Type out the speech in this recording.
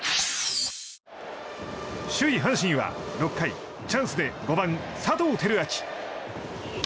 首位、阪神は６回チャンスで５番、佐藤輝明。